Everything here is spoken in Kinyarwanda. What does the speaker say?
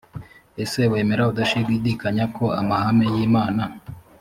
ese wemera udashidikanya ko amahame y imana